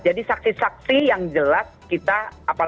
jadi saksi saksi yang jelas kita apalagi